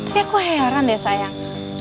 tapi aku heran deh sayang